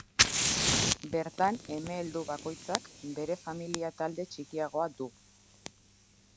Bertan eme heldu bakoitzak bere familia-talde txikiagoa du.